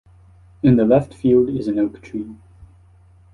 In the left field is an oak tree.